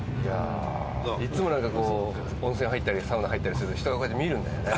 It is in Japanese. いつもこう温泉入ったりサウナ入ったりすると人がこうやって見るんだよね。